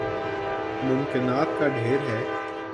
ممکنات کا ڈھیر ہے۔